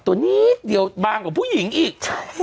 ตัวนิดเดียวบางกว่าผู้หญิงอีก